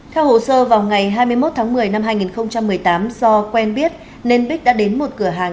theo hồ sơ vào ngày hai mươi một tháng một mươi năm hai nghìn một mươi tám do quen biết nên bích đã đến một cửa hàng